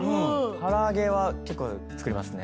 から揚げは結構作りますね。